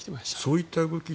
そういった動き